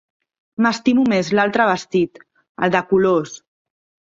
M'estimo més l'altre vestit, el de colors.